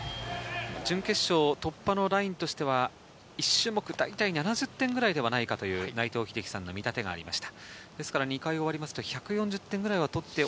準決勝突破のラインとしては、１種目大体７０点くらいではないかという内藤さんの見立てがありました。